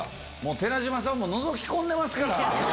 寺島さんものぞき込んでますから。